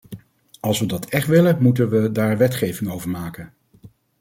Als we dat echt willen, moet we daar wetgeving over maken.